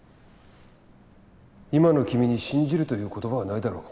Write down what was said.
今の君に信じるという言葉はないだろう。